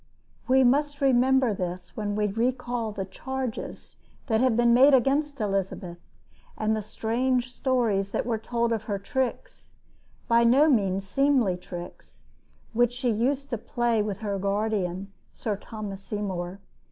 We must remember this when we recall the charges that have been made against Elizabeth, and the strange stories that were told of her tricks by no means seemly tricks which she used to play with her guardian, Lord Thomas Seymour.